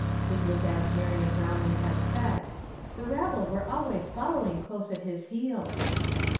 It was as Miriam Brownlee liad said. "The rabble wei e always following close at his heels."